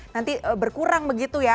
nanti berkurang begitu ya